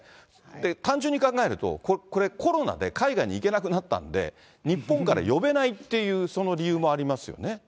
単純に考えると、これ、コロナで海外に行けなくなったんで、日本から呼べないっていう、その理由もありますよね。